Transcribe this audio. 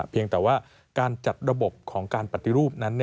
เพียงแต่ว่าการจัดระบบของการปฏิรูปนั้น